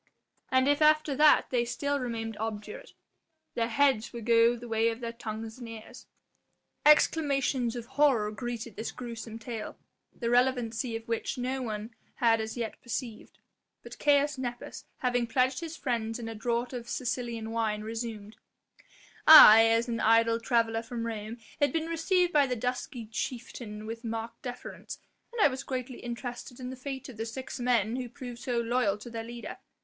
And if after that they still remained obdurate, their heads would go the way of their tongues and ears." Exclamations of horror greeted this gruesome tale, the relevancy of which no one had as yet perceived. But Caius Nepos, having pledged his friends in a draught of Sicilian wine, resumed: "I, as an idle traveller from Rome had been received by the dusky chieftain with marked deference, and I was greatly interested in the fate of the six men who proved so loyal to their leader.